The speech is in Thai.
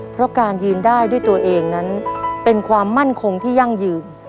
เพราะการยืนได้ด้วยตัวเองนั้นเป็นความมั่นคงที่ยั่งยืน